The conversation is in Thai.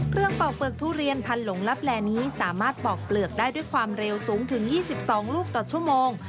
เป่าเปลือกทุเรียนพันหลงลับแลนี้สามารถปอกเปลือกได้ด้วยความเร็วสูงถึง๒๒ลูกต่อชั่วโมง